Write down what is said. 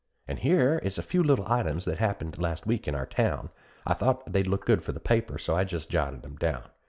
And here is a few little items that happened last week in our town: I thought they'd look good for the paper, and so I just jotted 'em down.